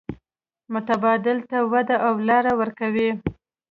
متبادل ته وده او لار ورکوي.